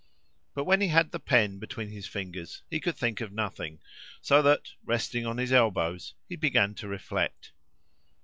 But when he had the pen between his fingers, he could think of nothing, so that, resting on his elbows, he began to reflect.